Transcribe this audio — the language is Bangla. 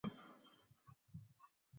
আহা, দেখতে চাও তুমি?